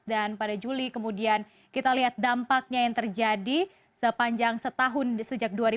dan pada juli kemudian kita lihat dampaknya yang terjadi sepanjang setahun sejak dua ribu enam